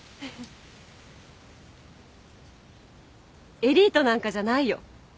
エリートなんかじゃないよ。